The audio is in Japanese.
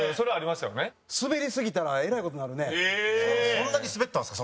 そんなにスベったんですか？